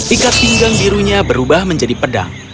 ikat pinggang birunya berubah menjadi pedang